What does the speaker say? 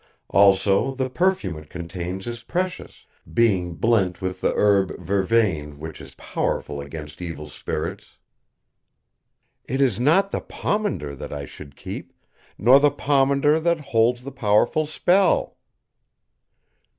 Also the perfume it contains is precious, being blent with the herb vervain which is powerful against evil spirits." "It is not the pomander that I should keep, nor the pomander that holds the powerful spell."